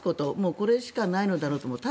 これしかないんだろうと思います。